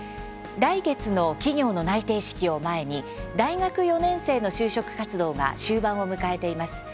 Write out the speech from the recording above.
来月の企業の内定式を前に大学４年生の就職活動が終盤を迎えています。